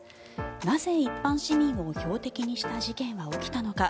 なぜ一般市民を標的にした事件は起きたのか。